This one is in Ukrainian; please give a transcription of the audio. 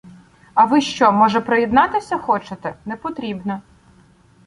А ви що, може, приєднатися хочете? Непотрібно.